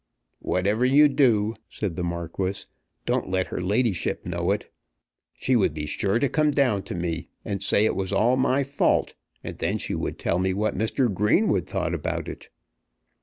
"Whatever you do," said the Marquis, "don't let her ladyship know it. She would be sure to come down to me and say it was all my fault; and then she would tell me what Mr. Greenwood thought about it."